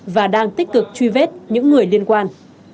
và đang tích cực truy vết những người liên quan